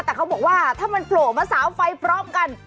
แต่เขาบอกว่าถ้ามันโผล่มาสาวไฟพร้อมกัน